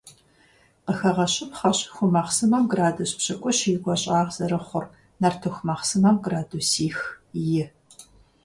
Къыхэгъэщыпхъэщ ху махъсымэм градус пщыкIущ и гуащIагъ зэрыхъур, нартыху махъсымэм - градусих-и.